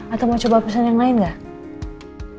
atau mau coba pesen yang lain gak